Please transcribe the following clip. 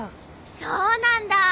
そうなんだ！